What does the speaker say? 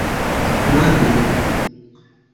Mame!